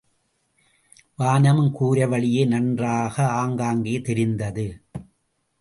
வானமும் கூரை வழியே நன்றாக ஆங்காங்கே தெரிந்தது.